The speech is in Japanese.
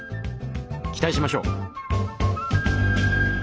期待しましょう！